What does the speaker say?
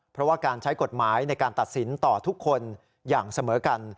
เพราะว่าการใช้กฎหมายในการตัดสินต่อทุกคนอย่างเสมอกัน